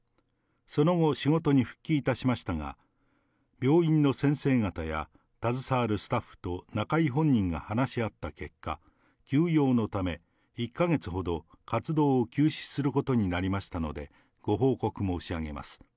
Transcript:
その後、仕事に復帰いたしましたが、病院の先生方や、携わるスタッフと中居本人が話し合った結果、休養のため、１か月ほど活動を休止することになりましたので、ご報告申し上げます。